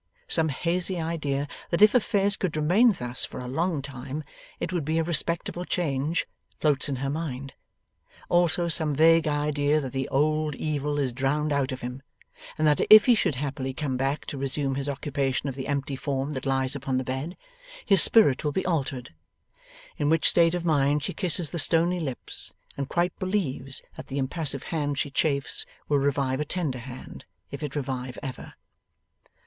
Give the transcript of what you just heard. Some hazy idea that if affairs could remain thus for a long time it would be a respectable change, floats in her mind. Also some vague idea that the old evil is drowned out of him, and that if he should happily come back to resume his occupation of the empty form that lies upon the bed, his spirit will be altered. In which state of mind she kisses the stony lips, and quite believes that the impassive hand she chafes will revive a tender hand, if it revive ever.